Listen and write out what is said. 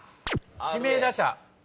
指名打者。